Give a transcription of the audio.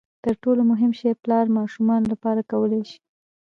تر ټولو مهم شی پلار ماشومانو لپاره کولای شي.